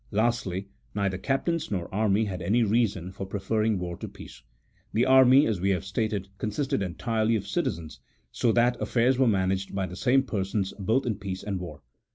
Lastly, neither captains nor army had any reason for preferring war to peace. The anny, as we have stated, consisted entirely of citizens, so that affairs were managed by the same persons both in peace and war.